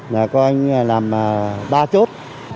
là có anh làm ba chốt